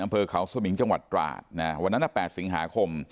อัมเภาสมิงจังหวัดตราดนะฮะวันนั้นอ่ะแปดสินหาคม